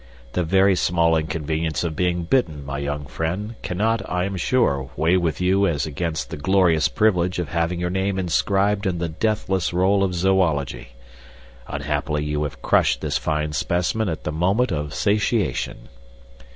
The very small inconvenience of being bitten, my young friend, cannot, I am sure, weigh with you as against the glorious privilege of having your name inscribed in the deathless roll of zoology. Unhappily you have crushed this fine specimen at the moment of satiation."